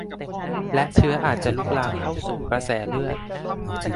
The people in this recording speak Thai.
และเชื้ออาจจะลุกลามเข้าสู่กระแสเลือด